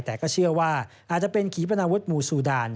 แต่ก็เชื่อว่าอาจจะเป็นขีปนาวุธมูซูดาน